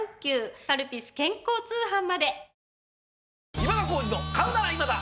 『今田耕司の買うならイマダ』。